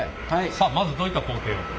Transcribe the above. さっまずどういった工程を？